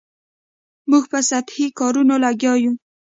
موږ په سطحي کارونو لګیا یو.